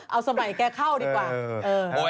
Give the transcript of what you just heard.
เอาสมัยแกเข้าดีกว่า